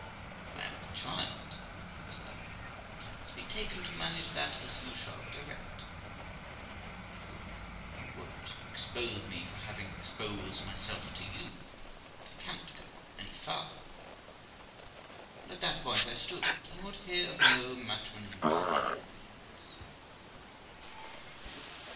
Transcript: If I am with child', said I, 'care must be taken to manage that as you shall direct; I hope you won't expose me for my having exposed myself to you, but I cannot go any farther.' And at that point I stood, and would hear of no matrimony by any means.